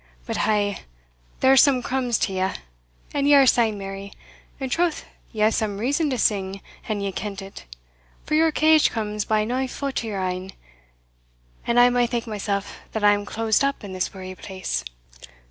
But hae there's some crumbs t'ye, an ye are sae merry; and troth ye hae some reason to sing an ye kent it, for your cage comes by nae faut o' your ain, and I may thank mysell that I am closed up in this weary place."